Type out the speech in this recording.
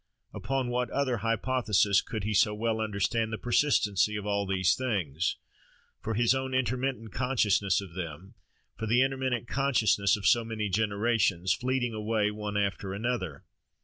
Upon what other hypothesis could he so well understand the persistency of all these things for his own intermittent consciousness of them, for the intermittent consciousness of so many generations, fleeting away one after another?